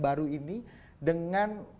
baru ini dengan